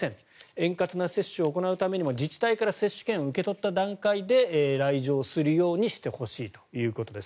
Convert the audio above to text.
円滑な接種を行うためにも自治体から接種券を受け取った段階で来場するようにしてほしいということです。